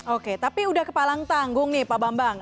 oke tapi udah kepalang tanggung nih pak bambang